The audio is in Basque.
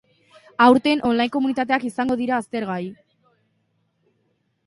Aurten, on-line komunitateak izango dira aztergai.